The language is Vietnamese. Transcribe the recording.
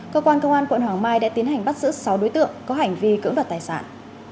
cơ quan công an quận hoàng mai đã tiến hành bắt giữ sáu đối tượng có hành vi cưỡng đoạt tài sản